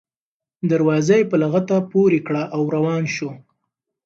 دروازه یې په لغته پورې کړه او روان شو.